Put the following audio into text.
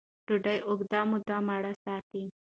ډوډۍ اوږده موده موړ ساتي.